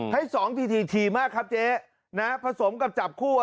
ให้๒ทีถี่มากครับเจ๊นะผสมกับจับคู่